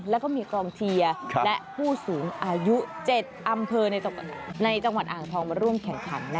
แล้วก็มีกองเชียร์และผู้สูงอายุ๗อำเภอในจังหวัดอ่างทองมาร่วมแข่งขัน